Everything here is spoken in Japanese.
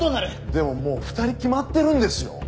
でももう２人決まってるんですよ。